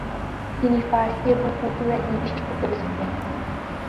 তিনি ফারসি ও উর্দুর একজন বিশিষ্ট কবি ছিলেন।